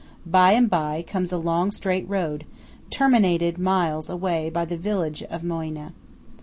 By and by comes a long straight road, terminated miles away by the village of Moena.